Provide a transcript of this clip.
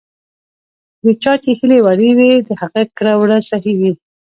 د چا چې هیلې وړې وي، د هغه کړه ـ وړه صحیح وي .